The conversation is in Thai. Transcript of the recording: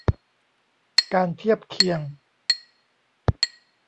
การเทียบเคียง